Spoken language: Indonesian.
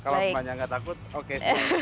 kalau rumahnya nggak takut oke